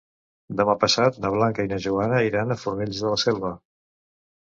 Demà passat na Blanca i na Joana iran a Fornells de la Selva.